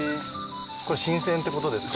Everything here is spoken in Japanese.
これ新鮮って事ですか？